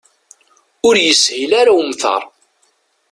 Ur yeshil ara umtar.